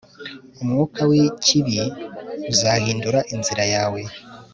umwuka w'ikibi uzahindura inzira yawe